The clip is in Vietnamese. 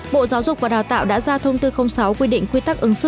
bộ giáo dục và đào tạo đã ra thông tư sáu quy định quy tắc ứng xử